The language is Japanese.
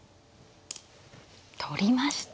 取りました。